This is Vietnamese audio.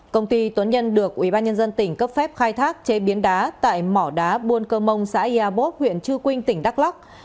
công ty tuấn nhân được ubnd tỉnh cấp phép khai thác chế biến đá tại mỏ đá buôn cơ mông xã yà bốp huyện chư quynh tỉnh đắk lắc